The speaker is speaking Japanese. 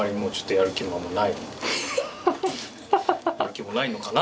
やる気もないのかな？